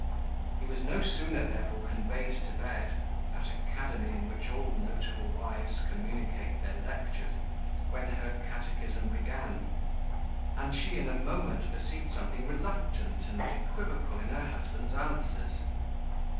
He was no sooner, therefore, conveyed to bed (that academy in which all notable wives communicate their lectures), when her catechism began; and she in a moment perceived something reluctant and equivocal in her husband's answers.